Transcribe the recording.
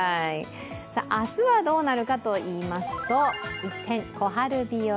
明日はどうなるかといいますと一転、小春日和。